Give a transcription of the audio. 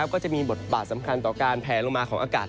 ก็จะมีบทบาทสำคัญต่อการแผลลงมาของอากาศ